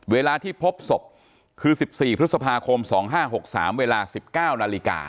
เวลาที่พบศพคือ๑๔พฤษภาคม๒๕๖๓เวลา๑๙นาฬิกา